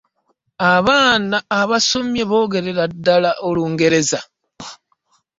Abaana abasomye boogerera ddala olungereza